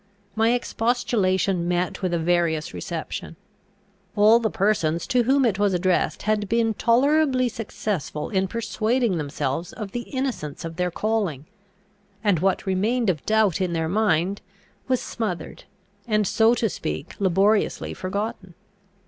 My expostulation met with a various reception. All the persons to whom it was addressed had been tolerably successful in persuading themselves of the innocence of their calling; and what remained of doubt in their mind was smothered, and, so to speak, laboriously forgotten.